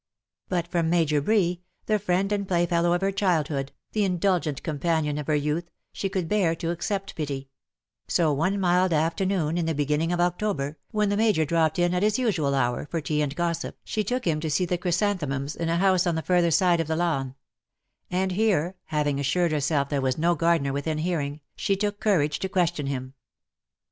But from Major Bree, the friend and play fellow of her childhood, the indulgent companion of her youth, she could better bear to accept pity — so, one mild afternoon in the beginning of October, when the Major dropped in at his usual hour for tea and gossip, she took him to see the chrysan themums, in a house on the further side of the lawn ; and here, having assured herself there was no gardener within hearing, she took courage to question him.